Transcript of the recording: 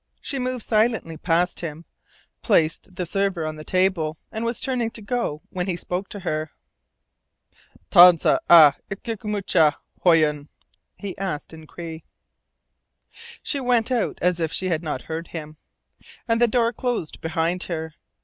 She moved silently past him, placed the server on the table, and was turning to go when he spoke to her. "Tan'se a itumuche hooyun?" he asked in Cree. She went out as if she had not heard him, and the door closed behind her.